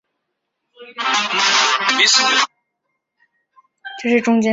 瓦尔德豪森是奥地利下奥地利州茨韦特尔县的一个市镇。